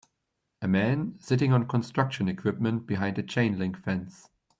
A man sitting on construction equipment behind a chain link fence